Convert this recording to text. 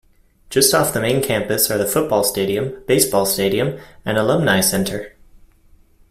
Just off the main campus are the football stadium, baseball stadium, and alumni center.